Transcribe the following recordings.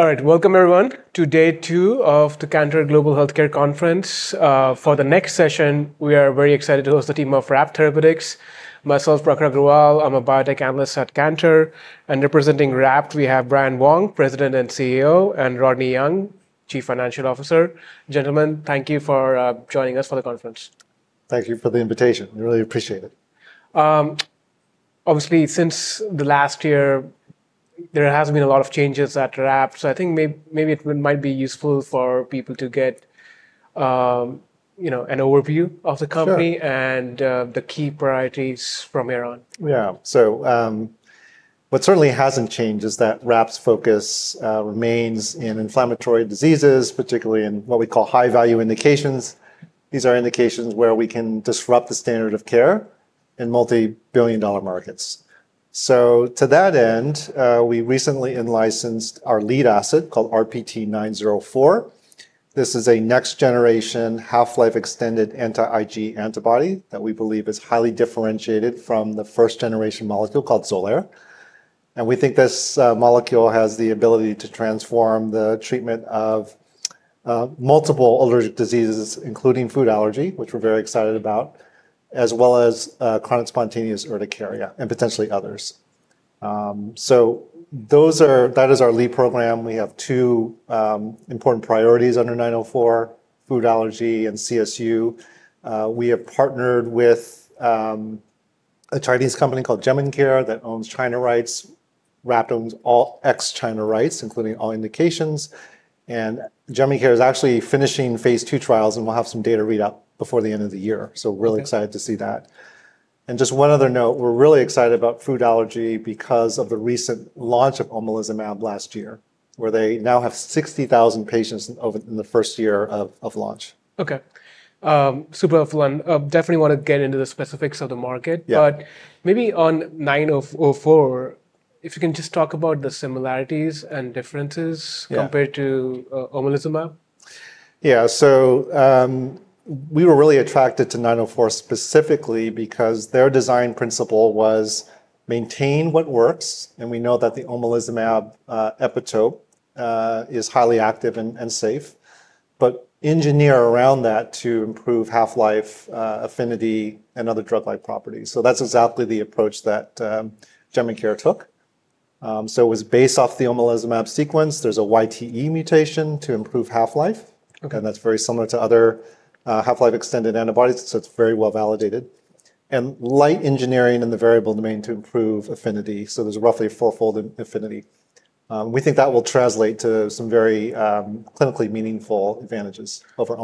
All right, welcome everyone to day two of the Cantor Global Healthcare Conference. For the next session, we are very excited to host the team of RAPT Therapeutics. Myself, Prakhar Agrawal, I'm a biotech analyst at Cantor. Representing RAPT, we have Brian Wong, President and CEO, and Rodney Young, Chief Financial Officer. Gentlemen, thank you for joining us for the conference. Thank you for the invitation. We really appreciate it. Obviously, since the last year, there have been a lot of changes at RAPT, so I think maybe it might be useful for people to get an overview of the company and the key priorities from here on. Yeah, so what certainly hasn't changed is that RAPT's focus remains in inflammatory diseases, particularly in what we call high-value indications. These are indications where we can disrupt the standard of care in multi-billion dollar markets. To that end, we recently licensed our lead asset called RPT904. This is a next-generation, half-life extended anti-IgE antibody that we believe is highly differentiated from the first-generation molecule called Xolair. We think this molecule has the ability to transform the treatment of multiple allergic diseases, including food allergy, which we're very excited about, as well as chronic spontaneous urticaria and potentially others. That is our lead program. We have two important priorities under 904, Food allergy and CSU. We have partnered with a Chinese company called Jemincare that owns China rights. RAPT owns all ex-China rights, including all indications. Jemincare is actually Phase 2 trials, and we'll have some data read-out before the end of the year. We're really excited to see that. Just one other note, we're really excited about food allergy because of the recent launch of omalizumab last year, where they now have 60,000 patients in the first year of launch. Okay, super helpful. I definitely want to get into the specifics of the market, but maybe on 904, if you can just talk about the similarities and differences compared to omalizumab. Yeah, so we were really attracted to 904 specifically because their design principle was maintain what works. We know that the omalizumab epitope is highly active and safe, but engineer around that to improve half-life, affinity, and other drug-like properties. That's exactly the approach that Jemincare took. It was based off the omalizumab sequence. There's a YTE mutation to improve half-life, and that's very similar to other half-life extended antibodies, so it's very well validated. Light engineering in the variable domain to improve affinity, so there's roughly a four-fold affinity. We think that will translate to some very clinically meaningful advantages over.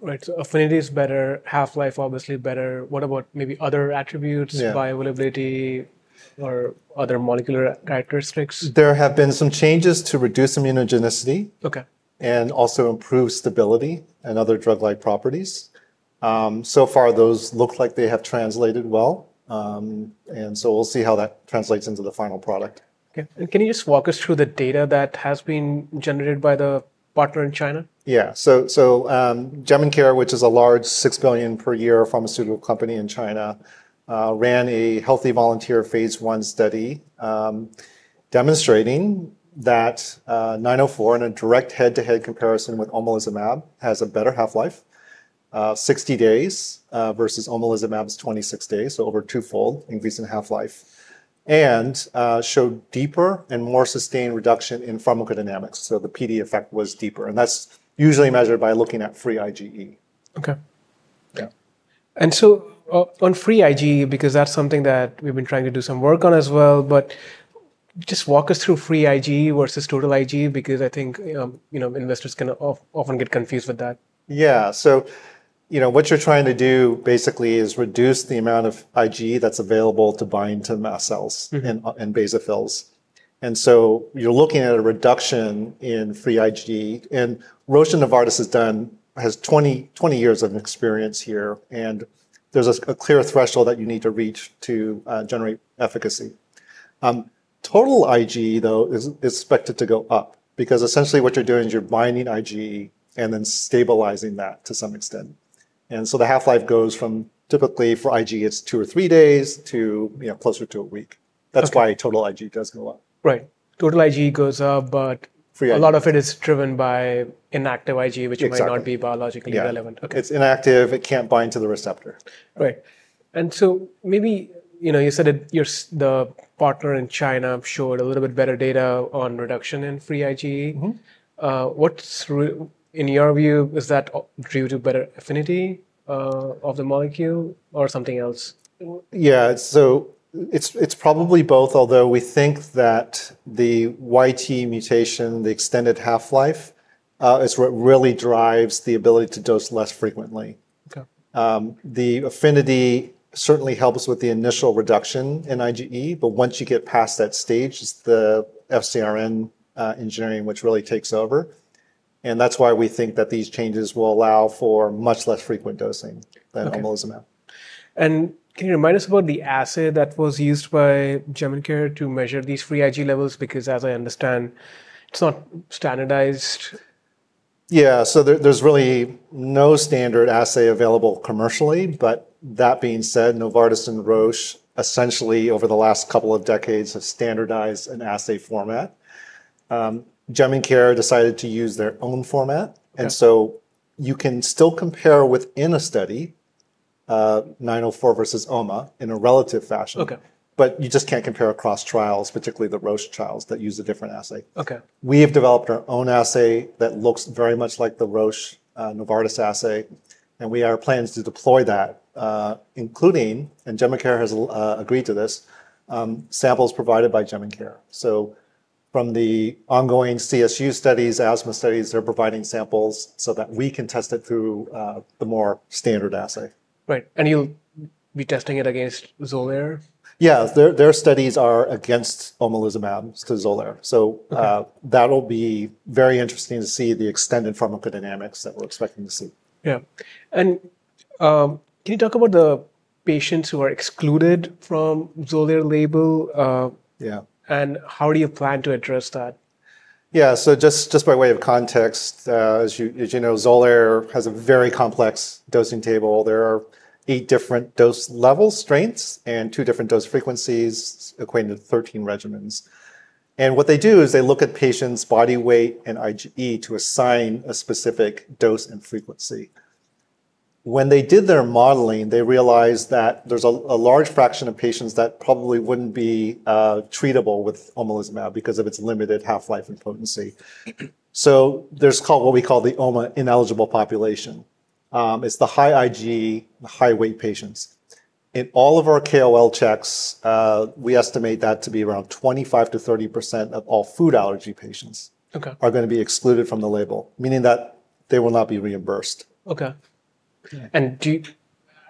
Right, so affinity is better, half-life obviously better. What about maybe other attributes, bioavailability, or other molecular characteristics? There have been some changes to reduce immunogenicity, and also improve stability and other drug-like properties. So far, those look like they have translated well, and we'll see how that translates into the final product. Okay, can you just walk us through the data that has been generated by the partner in China? Yeah, so Jemincare, which is a large $6 billion per year pharmaceutical company in China, ran a healthy volunteer Phase 1 study demonstrating that 904, in a direct head-to-head comparison with omalizumab, has a better half-life, 60 days versus Xolair's 26 days, so over twofold increase in half-life, and showed deeper and more sustained reduction in pharmacodynamics. The PD effect was deeper, and that's usually measured by looking at free IgE. Okay, yeah, on free IgE, because that's something that we've been trying to do some work on as well, just walk us through free IgE versus total IgE, because I think investors can often get confused with that. Yeah, so you know what you're trying to do basically is reduce the amount of IgE that's available to bind to mast cells and basophils. You're looking at a reduction in free IgE. Roche, Novartis has 20 years of experience here, and there's a clear threshold that you need to reach to generate efficacy. Total IgE, though, is expected to go up, because essentially what you're doing is you're binding IgE and then stabilizing that to some extent. The half-life goes from typically for IgE, it's two or three days to closer to a week. That's why total IgE does go up. Right, total IgE goes up, but a lot of it is driven by inactive IgE, which might not be biologically relevant. It's inactive. It can't bind to the receptor. Right, and maybe you said that the partner in China showed a little bit better data on reduction in free IgE. What's, in your view, is that due to better affinity of the molecule or something else? Yeah, so it's probably both, although we think that the YTE mutation, the extended half-life, is what really drives the ability to dose less frequently. The affinity certainly helps with the initial reduction in IgE, but once you get past that stage, it's the FcRn engineering which really takes over. That's why we think that these changes will allow for much less frequent dosing than omalizumab. Can you remind us about the assay that was used by Jemincare to measure these free IgE levels? Because as I understand, it's not standardized. Yeah, so there's really no standard assay available commercially. That being said, Novartis and Roche essentially over the last couple of decades have standardized an assay format. Jemincare decided to use their own format, and you can still compare within a study 904 versus OMA in a relative fashion, but you just can't compare across trials, particularly the Roche trials that use a different assay. We have developed our own assay that looks very much like the Roche Novartis assay, and we have plans to deploy that, including, and Jemincare has agreed to this, samples provided by Jemincare. From the ongoing CSU studies, asthma studies are providing samples so that we can test it through the more standard assay. Right, and you'll be testing it against Xolair? Yeah, their studies are against omalizumab because of Xolair. That'll be very interesting to see the extended pharmacodynamics that we're expecting to see. Can you talk about the patients who are excluded from the Xolair label, and how do you plan to address that? Yeah, so just by way of context, as you know, Xolair has a very complex dosing table. There are eight different dose level strengths and two different dose frequencies, equating to 13 regimens. What they do is they look at patients' body weight and IgE to assign a specific dose and frequency. When they did their modeling, they realized that there's a large fraction of patients that probably wouldn't be treatable with omalizumab because of its limited half-life and potency. There's what we call the OMA ineligible population. It's the high IgE, the high weight patients. In all of our KOL checks, we estimate that to be around 25%-30% of all food allergy patients are going to be excluded from the label, meaning that they will not be reimbursed. Okay, do you,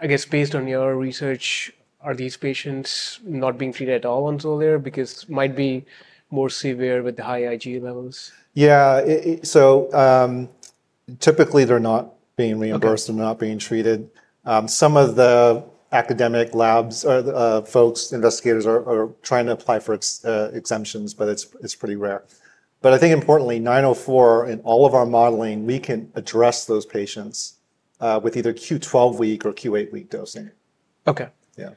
I guess, based on your research, are these patients not being treated at all on Xolair because it might be more severe with the high IgE levels? Yeah, so typically they're not being reimbursed and they're not being treated. Some of the academic labs or investigators are trying to apply for exemptions, but it's pretty rare. I think importantly, 904 in all of our modeling, we can address those patients with either Q12 week or Q8 week dosing. Okay, yeah,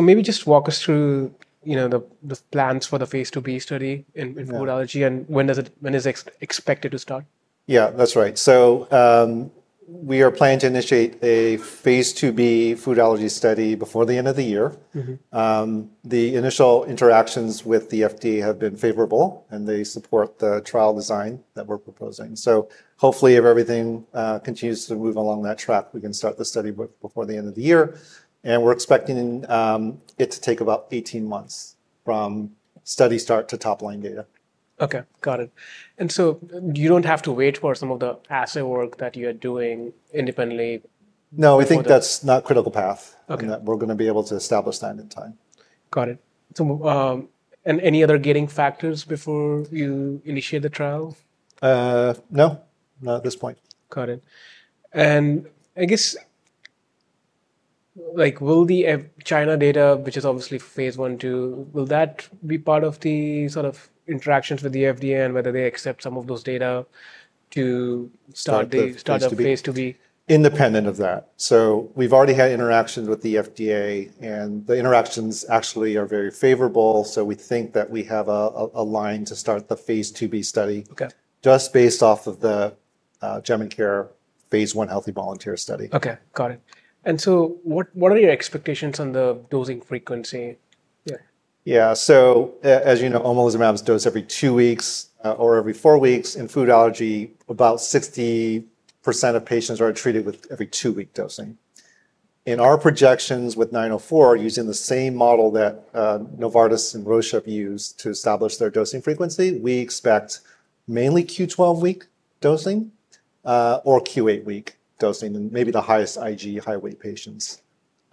maybe just walk us through the plans for the Phase 2b study in food allergy and when is it expected to start? Yeah, that's right. We are planning to initiate a Phase 2b Food Allergy study before the end of the year. The initial interactions with the FDA have been favorable, and they support the trial design that we're proposing. Hopefully, if everything continues to move along that track, we can start the study before the end of the year. We're expecting it to take about 18 months from study start to top line data. Okay, got it. You don't have to wait for some of the assay work that you are doing independently? No, we think that's not a critical path and that we're going to be able to establish that in time. Got it. Any other gating factors before you initiate the trial? No, not at this point. Got it. I guess, will the China data, which is obviously Phase 1, 2, be part of the sort of interactions with the FDA and whether they accept some of those data to start the Phase 2b? We have already had interactions with the FDA and the interactions actually are very favorable. We think that we have a line to start the Phase 2b study just based off of the Jemincare Phase 1 healthy volunteer study. Okay, got it. What are your expectations on the dosing frequency? Yeah, so as you know, omalizumab is dosed every two weeks or every four weeks. In food allergy, about 60% of patients are treated with every two week dosing. In our projections with 904, using the same model that Novartis and Roche have used to establish their dosing frequency, we expect mainly Q12 week dosing or Q8 week dosing and maybe the highest IgE high weight patients.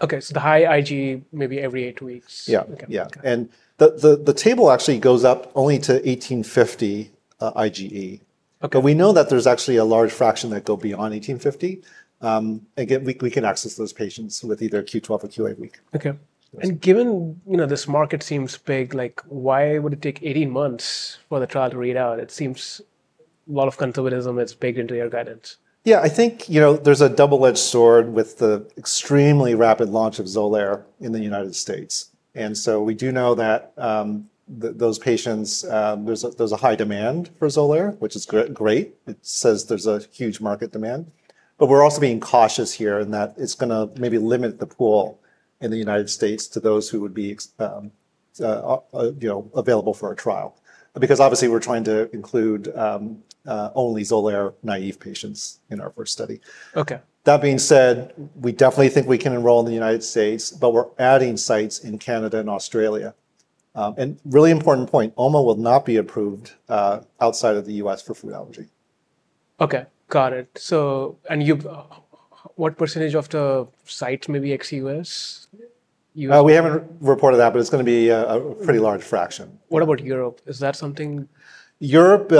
Okay, so the high IgE maybe every eight weeks. Yeah, yeah, and the table actually goes up only to 1850 IgE. We know that there's actually a large fraction that go beyond 1850. Again, we can access those patients with either Q12 or Q8 week. Okay, given, you know, this market seems big, why would it take 18 months for the trial to read out? It seems a lot of conservatism is baked into your guidance. Yeah, I think there's a double-edged sword with the extremely rapid launch of Xolair in the U.S. We do know that those patients, there's a high demand for Xolair, which is great. It says there's a huge market demand. We're also being cautious here in that it's going to maybe limit the pool in the U.S. to those who would be available for a trial, because obviously we're trying to include only Xolair naive patients in our first study. Okay. That being said, we definitely think we can enroll in the U.S., but we're adding sites in Canada and Australia. A really important point, OMA will not be approved outside of the U.S. for food allergy. Okay, got it. What percentage of the site may be ex-U.S.? We haven't reported that, but it's going to be a pretty large fraction. What about Europe? Is that something? Europe,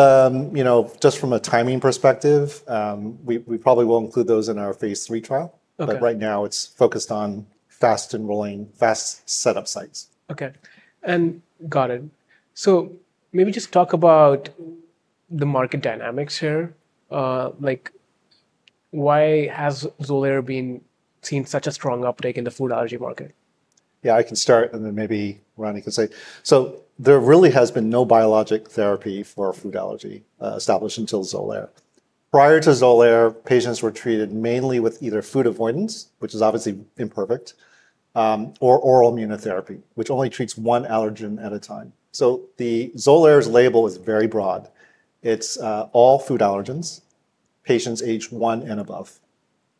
you know, just from a timing perspective, we probably will include those in our Phase 3 trial. Right now it's focused on fast enrolling, fast setup sites. Okay, got it. Maybe just talk about the market dynamics here. Why has Xolair been seeing such a strong uptake in the food allergy market? I can start and then maybe Rodney can say. There really has been no biologic therapy for food allergy established until Xolair. Prior to Xolair, patients were treated mainly with either food avoidance, which is obviously imperfect, or oral immunotherapy, which only treats one allergen at a time. Xolair's label is very broad. It's all food allergens, patients age one and above.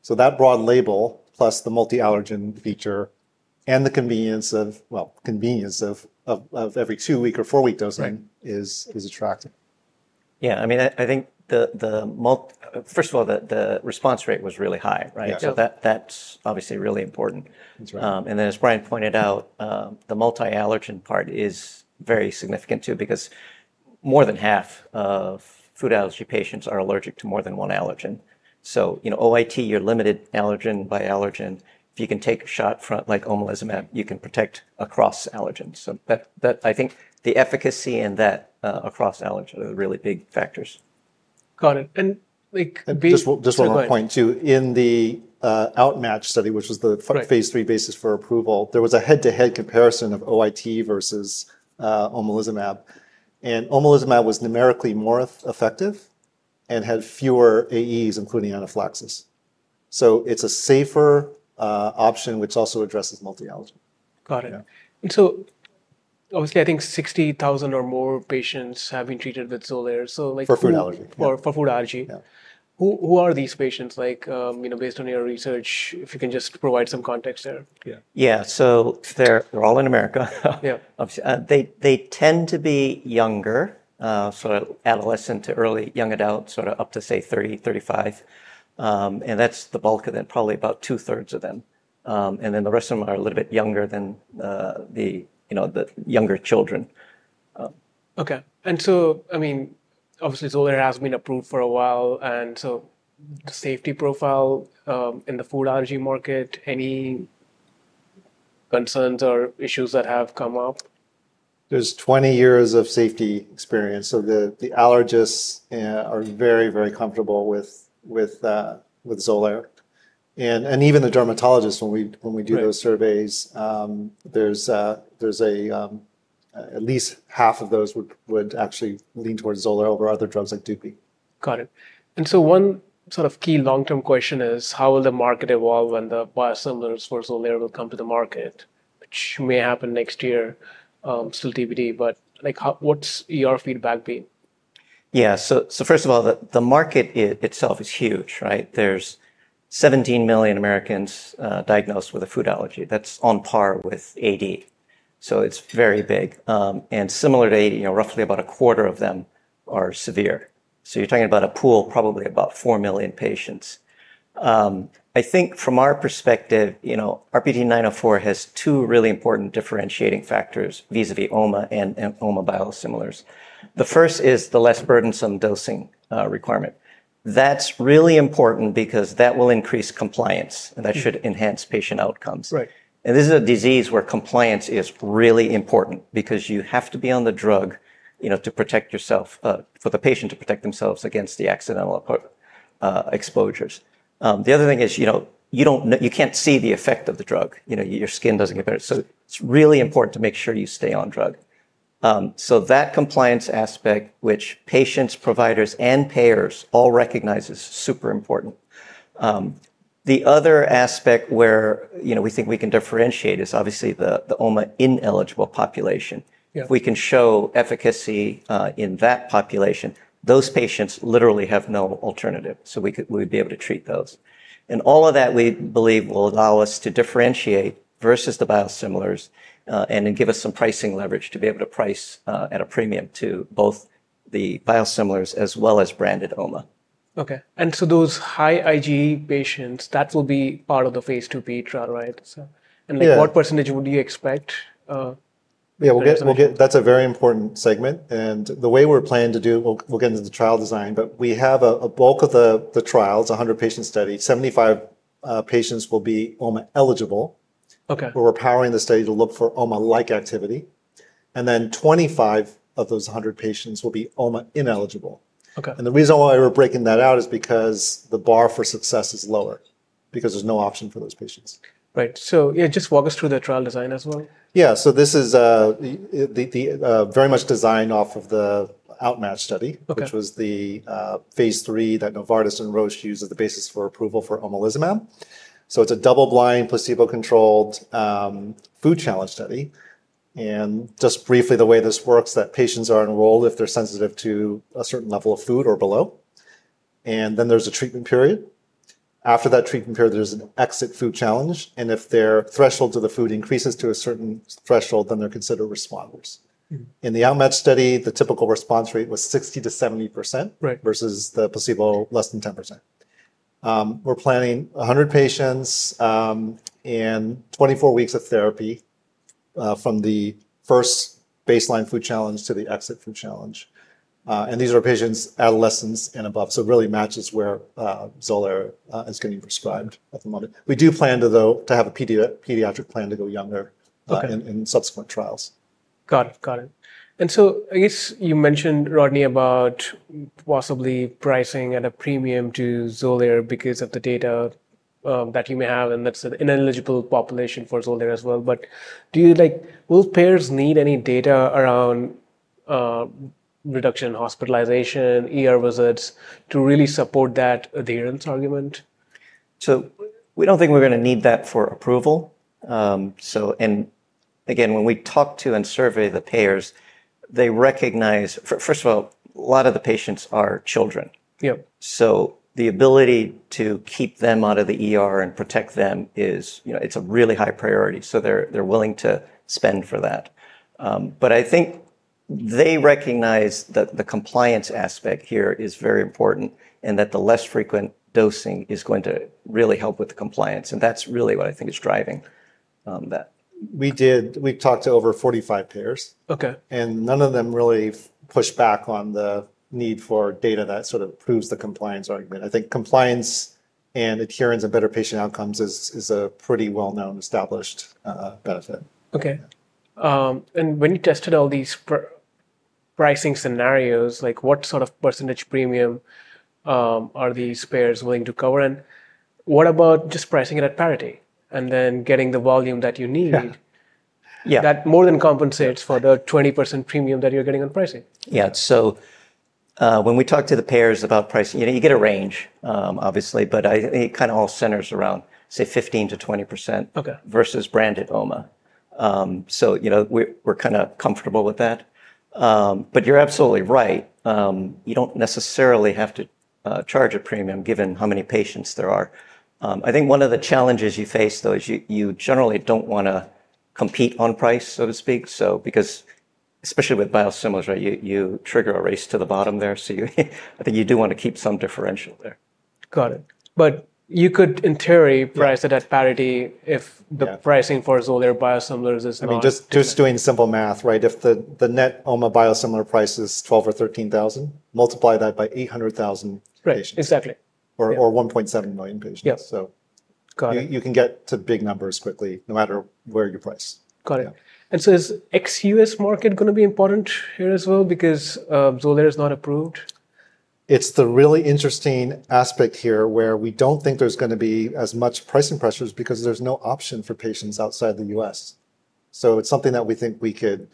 That broad label, plus the multi-allergen feature, and the convenience of every two week or four week dosing is attractive. Yeah, I mean, I think the, first of all, the response rate was really high, right? That's obviously really important. Then as Brian pointed out, the multi-allergen part is very significant too, because more than half of food allergy patients are allergic to more than one allergen. You know, OIT, you're limited allergen by allergen. If you can take a shot from like omalizumab, you can protect across allergens. I think the efficacy and that across allergens are the really big factors. Got it. Just a little point too, in the OUtMATCH study, which was the phase 3 basis for approval, there was a head-to-head comparison of OIT versus omalizumab. Omalizumab was numerically more effective and had fewer AEs, including anaphylaxis. It is a safer option, which also addresses multi-allergy. Got it. Obviously, I think 60,000 or more patients have been treated with Xolair. For food allergy. For food allergy, who are these patients? Like, you know, based on your research, if you can just provide some context there. Yeah, they're all in America. They tend to be younger, sort of adolescent to early young adults, up to say 30, 35. That's the bulk of them, probably about two-thirds of them. The rest of them are a little bit younger than the, you know, the younger children. Okay, Xolair has been approved for a while. The safety profile in the food allergy market, any concerns or issues that have come up? is 20 years of safety experience. The allergists are very, very comfortable with Xolair. Even the dermatologists, when we do those surveys, at least half of those would actually lean towards Xolair over other drugs like Dupi. Got it. One sort of key long-term question is how will the market evolve when the biosimilars for Xolair will come to the market, which may happen next year, still TBD. What's your feedback been? Yeah, so first of all, the market itself is huge, right? There's 17 million Americans diagnosed with a food allergy. That's on par with AD. It's very big. Similar to AD, roughly about a quarter of them are severe, so you're talking about a pool of probably about 4 million patients. I think from our perspective, RPT904 has two really important differentiating factors vis-à-vis OMA and OMA biosimilars. The first is the less burdensome dosing requirement. That's really important because that will increase compliance and that should enhance patient outcomes. This is a disease where compliance is really important because you have to be on the drug to protect yourself, for the patient to protect themselves against the accidental exposures. The other thing is you can't see the effect of the drug. Your skin doesn't get better, so it's really important to make sure you stay on drug. That compliance aspect, which patients, providers, and payers all recognize, is super important. The other aspect where we think we can differentiate is obviously the OMA ineligible population. If we can show efficacy in that population, those patients literally have no alternative, so we would be able to treat those. All of that we believe will allow us to differentiate versus the biosimilars and then give us some pricing leverage to be able to price at a premium to both the biosimilars as well as branded OMA. Okay, those high IgE patients, that will be part of the Phase 2b trial, right? What percentage would you expect? That's a very important segment. The way we're planning to do it, we'll get into the trial design, but we have a bulk of the trial. It's a 100-patient study. 75 patients will be OMA eligible. We're powering the study to look for OMA-like activity. 25 of those 100 patients will be OMA ineligible. The reason why we're breaking that out is because the bar for success is lower because there's no option for those patients. Right, just walk us through the trial design as well. Yeah, so this is very much designed off of the OUtMATCH study, which was the Phase 3 that Novartis and Roche use as the basis for approval for omalizumab. It's a double-blind, placebo-controlled food challenge study. Just briefly, the way this works is that patients are enrolled if they're sensitive to a certain level of food or below. There's a treatment period. After that treatment period, there's an exit food challenge. If their threshold to the food increases to a certain threshold, then they're considered responders. In the OUtMATCH study, the typical response rate was 60%-70% versus the placebo less than 10%. We're planning 100 patients and 24 weeks of therapy from the first baseline food challenge to the exit food challenge. These are patients, adolescents and above. It really matches where Xolair is getting prescribed at the moment. We do plan to, though, to have a pediatric plan to go younger in subsequent trials. Got it, got it. I guess you mentioned, Rodney, about possibly pricing at a premium to Xolair because of the data that you may have. That's an ineligible population for Xolair as well. Do you think, like, will payers need any data around reduction in hospitalization, ER visits to really support that adherence argument? We don't think we're going to need that for approval. When we talk to and survey the payers, they recognize, first of all, a lot of the patients are children. The ability to keep them out of the ER and protect them is, you know, it's a really high priority. They're willing to spend for that. I think they recognize that the compliance aspect here is very important and that the less frequent dosing is going to really help with the compliance. That's really what I think is driving that. We talked to over 45 payers, and none of them really pushed back on the need for data that proves the compliance argument. I think compliance and adherence and better patient outcomes is a pretty well-known established benefit. Okay, when you tested all these pricing scenarios, what sort of percentage premium are these payers willing to cover? What about just pricing it at parity and then getting the volume that you need? That more than compensates for the 20% premium that you're getting on pricing. Yeah, so when we talk to the payers about pricing, you know, you get a range, obviously, but it kind of all centers around, say, 15%-20% versus branded OMA. We're kind of comfortable with that. You're absolutely right. You don't necessarily have to charge a premium given how many patients there are. I think one of the challenges you face, though, is you generally don't want to compete on price, so to speak, because especially with biosimilars, you trigger a race to the bottom there. I think you do want to keep some differential there. Got it. You could in theory price it at parity if the pricing for Xolair biosimilars is enough. I mean, just doing simple math, right? If the net OMA biosimilar price is $12,000 or $13,000, multiply that by 800,000 patients. Exactly. Or 1.7 million patients. Yep. You can get to big numbers quickly, no matter where you place. Got it. Is the ex-U.S. market going to be important here as well because Xolair is not approved? It's the really interesting aspect here where we don't think there's going to be as much pricing pressure because there's no option for patients outside the U.S. It's something that we think we could,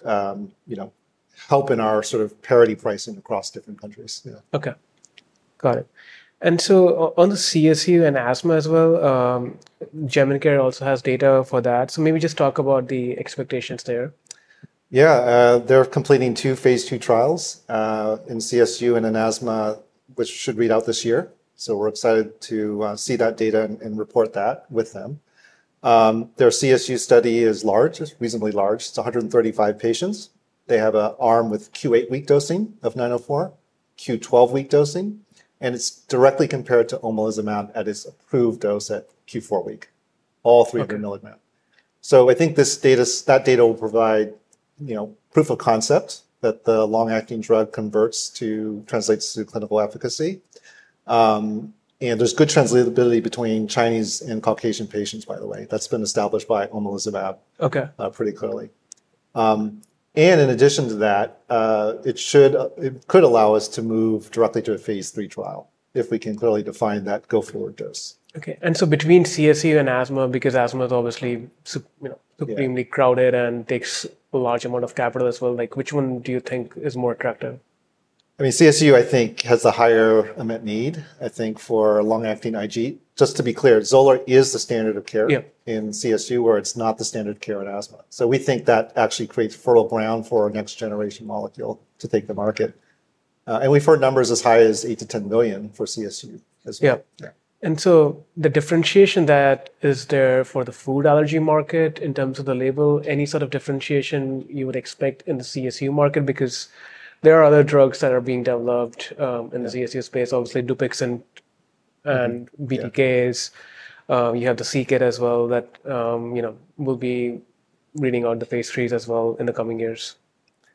you know, help in our sort of parity pricing across different countries. Okay, got it. On the CSU and asthma as well, Jemincare also has data for that. Maybe just talk about the expectations there. Yeah, they're completing two Phase 2 trials in CSU and in asthma, which should read out this year. We're excited to see that data and report that with them. Their CSU study is large, it's reasonably large. It's 135 patients. They have an arm with Q8 week dosing of 904, Q12 week dosing, and it's directly compared to omalizumab at its approved dose at Q4 week, all 300 mg. I think that data will provide, you know, proof of concept that the long-acting drug converts to, translates to clinical efficacy. There's good translatability between Chinese and Caucasian patients, by the way. That's been established by omalizumab pretty clearly. In addition to that, it could allow us to move directly to a Phase 3 trial if we can clearly define that go-forward dose. Okay, and so between CSU and asthma, because asthma is obviously, you know, supremely crowded and takes a large amount of capital as well, which one do you think is more attractive? I mean, CSU, I think, has a higher amount of need, I think, for long-acting IgE. Just to be clear, Xolair is the standard of care in CSU, where it's not the standard of care in asthma. We think that actually creates fertile ground for our next generation molecule to take the market. We've heard numbers as high as $8 million-$10 million for CSU as well. Yeah, and the differentiation that is there for the food allergy market in terms of the label, any sort of differentiation you would expect in the CSU market? There are other drugs that are being developed in the CSU space, obviously Dupixent and BPKs. You have the CKID as well that will be reading out the Phase 3 as well in the coming years.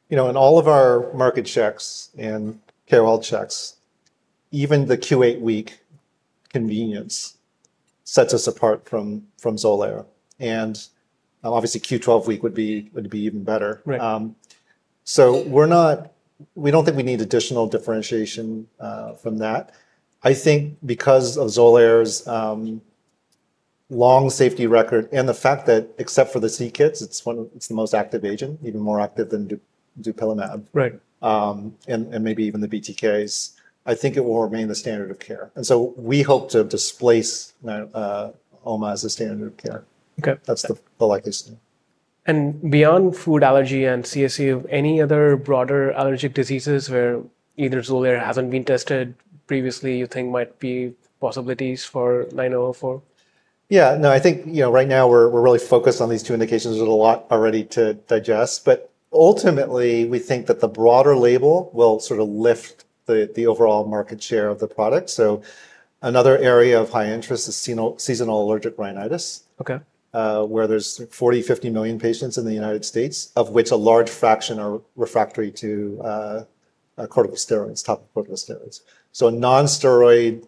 You know, in all of our market checks and KOL checks, even the Q8 week convenience sets us apart from Xolair. Obviously, Q12 week would be even better. We're not, we don't think we need additional differentiation from that. I think because of Xolair's long safety record and the fact that, except for the CKIDs, it's the most active agent, even more active than dupilumab and maybe even the BTKs, I think it will remain the standard of care. We hope to displace OMA as a standard of care. That's the likely scenario. Beyond food allergy and CSU, any other broader allergic diseases where either Xolair hasn't been tested previously, you think might be possibilities for 904? Yeah, no, I think right now we're really focused on these two indications. There's a lot already to digest. Ultimately, we think that the broader label will sort of lift the overall market share of the product. Another area of high interest is seasonal allergic rhinitis, where there's 40, 50 million patients in the U.S., of which a large fraction are refractory to corticosteroids, topical corticosteroids. A non-steroid,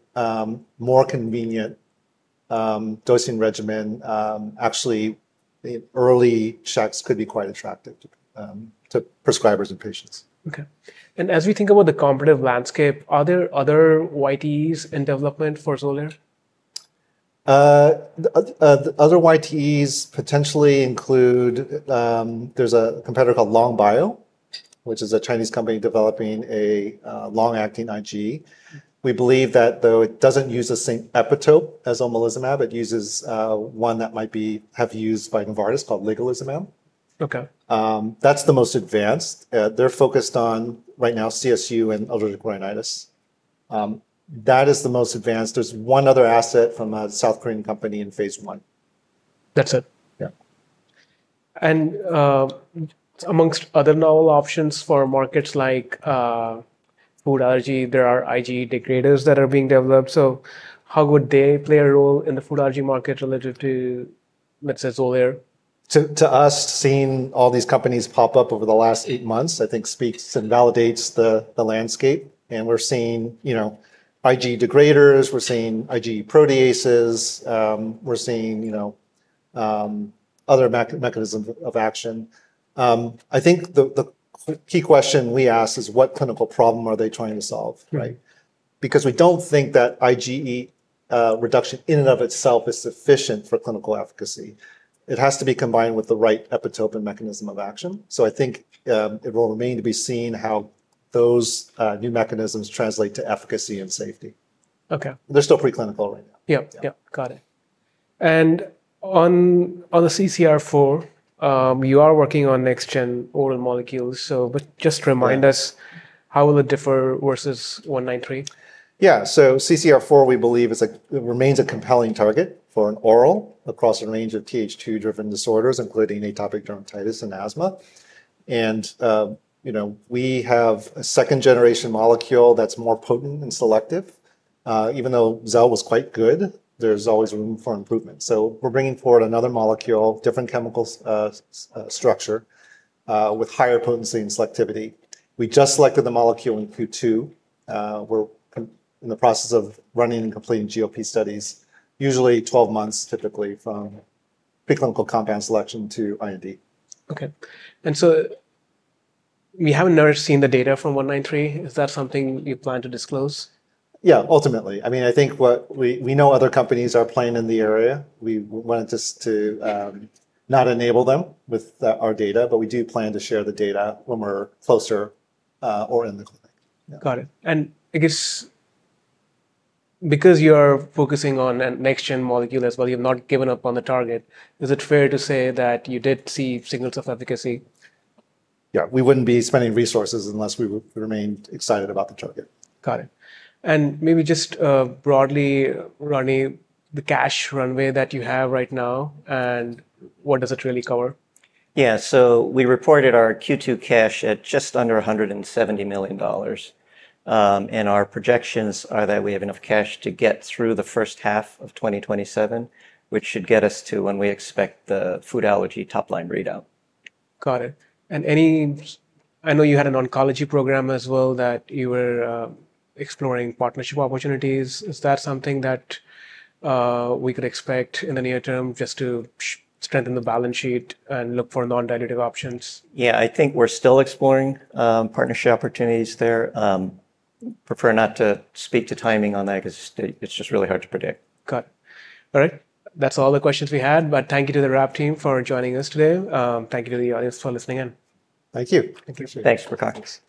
more convenient dosing regimen actually in early checks could be quite attractive to prescribers and patients. Okay, as we think about the competitive landscape, are there other YTEs in development for Xolair? Other YTEs potentially include, there's a competitor called LongBio, which is a Chinese company developing a long-acting IgE. We believe that though it doesn't use the same epitope as omalizumab, it uses one that might be used by Novartis called ligelizumab. That's the most advanced. They're focused on right now CSU and allergic rhinitis. That is the most advanced. There's one other asset from a South Korean company in Phase 1. That's it. Amongst other novel options for markets like food allergy, there are IgE degraders that are being developed. How would they play a role in the food allergy market related to, let's say, Xolair? To us, seeing all these companies pop up over the last eight months, I think speaks and validates the landscape. We're seeing, you know, IgE degraders, we're seeing IgE proteases, we're seeing, you know, other mechanisms of action. I think the key question we ask is what clinical problem are they trying to solve, right? We don't think that IgE reduction in and of itself is sufficient for clinical efficacy. It has to be combined with the right epitope and mechanism of action. I think it will remain to be seen how those new mechanisms translate to efficacy and safety. Okay. They're still preclinical, right? Got it. On the CCR4, you are working on next-gen oral molecules. Just remind us, how will it differ versus 193? CCR4, we believe, remains a compelling target for an oral across a range of TH2-driven disorders, including atopic dermatitis and asthma. We have a second-generation molecule that's more potent and selective. Even though zelnecirnon was quite good, there's always room for improvement. We're bringing forward another molecule, different chemical structure, with higher potency and selectivity. We just selected the molecule in Q2. We're in the process of running and completing GLP studies, usually 12 months, typically, from preclinical compound selection to IND. Okay, we haven't seen the data from 193. Is that something you plan to disclose? Yeah, ultimately, I mean, I think what we know other companies are playing in the area. We wanted just to not enable them with our data, but we do plan to share the data when we're closer or in the future. Got it. I guess because you are focusing on a next-gen molecule as well, you've not given up on the target. Is it fair to say that you did see signals of efficacy? Yeah, we wouldn't be spending resources unless we remained excited about the target. Got it. Rodney, the cash runway that you have right now, what does it really cover? Yeah, we reported our Q2 cash at just under $170 million. Our projections are that we have enough cash to get through the first-half of 2027, which should get us to when we expect the food allergy top line readout. I know you had an oncology program as well that you were exploring partnership opportunities. Is that something that we could expect in the near term just to strengthen the balance sheet and look for non-dilutive options? Yeah, I think we're still exploring partnership opportunities there. Prefer not to speak to timing on that because it's just really hard to predict. Got it. All right, that's all the questions we had. Thank you to the RAPT team for joining us today. Thank you to the audience for listening in. Thank you. Thanks for talking to us.